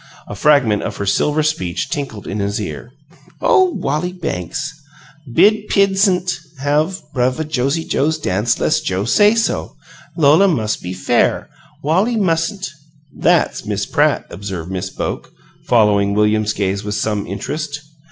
A fragment of her silver speech tinkled in his ear: "Oh, Wallie Banks! Bid pid s'ant have Bruvva Josie Joe's dance 'less Joe say so. Lola MUS' be fair. Wallie mustn't " "That's that Miss Pratt," observed Miss Boke, following William's gaze with some interest.